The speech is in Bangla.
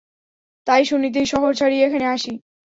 তাই শুনিতেই শহর ছাড়িয়া এখানে আসি।